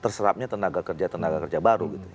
terserapnya tenaga kerja tenaga kerja baru gitu